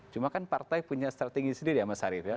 cuma kan partai punya starting ini sendiri ya mas harif ya